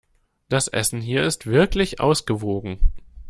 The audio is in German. Das Essen hier ist wirklich ausgewogen.